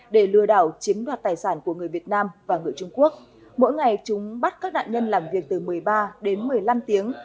để lừa đảo chiếm đoạt tài sản của người việt nam và người trung quốc mỗi ngày chúng bắt các nạn nhân làm việc từ một mươi ba đến một mươi năm tiếng